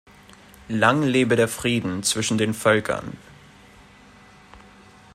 Lang lebe der Frieden zwischen den Völkern!